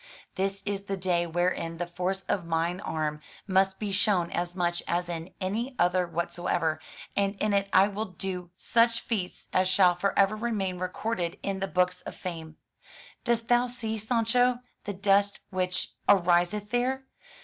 This is the day wherein the force of mine arm must be shown as much as in any other whatsoever; and in it I will do such feats as shall forever remain recorded in the books of fame. Dost thou see, Sancho, the dust which ariseth there?